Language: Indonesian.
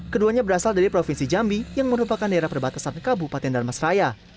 keduanya berasal dari provinsi jambi yang merupakan daerah perbatasan kabupaten darmas raya